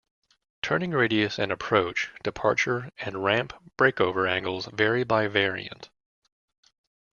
Turning radius and approach, departure, and ramp breakover angles vary by variant.